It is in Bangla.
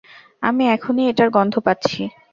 আমি এখনই এটার গন্ধ পাচ্ছি।